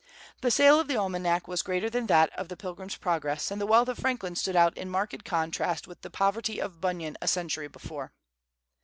The sale of the almanac was greater than that of the "Pilgrim's Progress," and the wealth of Franklin stood out in marked contrast with the poverty of Bunyan a century before.